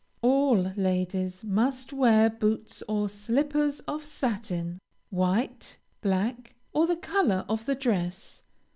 All ladies must wear boots or slippers of satin, white, black, or the color of the dress.